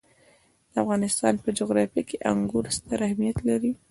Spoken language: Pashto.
د افغانستان په جغرافیه کې انګور ستر اهمیت لري.